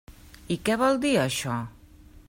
I què vol dir això?